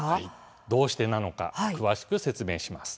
どうしてなのか詳しく説明します。